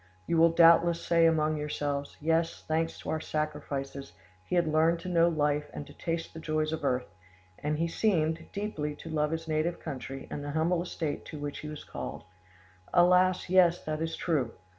You will doubtless say among yourselves, 'Yes, thanks to our sacrifices, he had learned to know life and to taste the joys of earth, and he seemed: deeply to love his native country and the humble estate to which he was called'. Alas, yes, that is true!